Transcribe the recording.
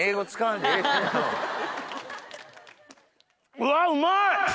うわうまい！